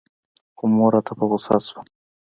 خو مور راته په غوسه سوه.